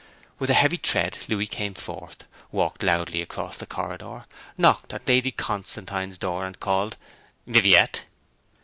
With a heavy tread Louis came forth, walked loudly across the corridor, knocked at Lady Constantine's door, and called 'Viviette!'